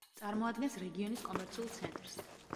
წარმოადგენს რეგიონის კომერციულ ცენტრს.